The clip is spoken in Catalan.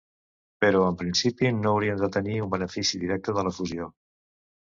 Però en principi no haurien de tenir un benefici directe de la fusió.